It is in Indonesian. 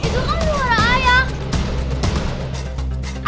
itu kan suara ayah